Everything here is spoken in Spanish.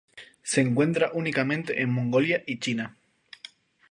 Se encuentra únicamente en Mongolia y China.